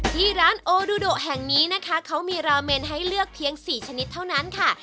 ที่ร้านโอดูโดแห่งนี้นะคะเขามีราเมนให้เลือกเพียง๔ชนิดเท่านั้นค่ะ